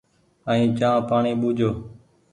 ائين چآنه پآڻيٚ ٻوجھيو۔